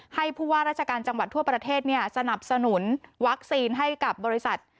ผู้ว่าราชการจังหวัดทั่วประเทศสนับสนุนวัคซีนให้กับบริษัท